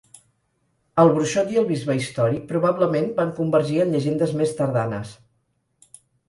El bruixot i el bisbe històric probablement van convergir en llegendes més tardanes.